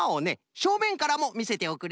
しょうめんからもみせておくれ！